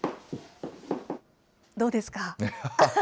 どうですか？